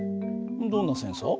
どんなセンサー？